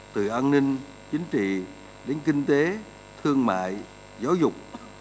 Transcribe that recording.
từ an ninh chính trị đến kinh tế thương mại giáo dục